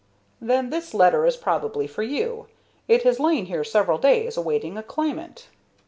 "Then this letter is probably for you. It has lain here several days, awaiting a claimant."